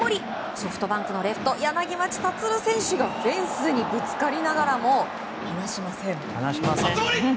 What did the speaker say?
ソフトバンクのレフト柳町達選手がフェンスにぶつかりながらも離しません。